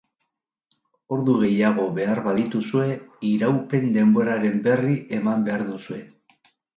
Ordu gehiago behar badituzue, iraupen-denboraren berri eman behar duzue.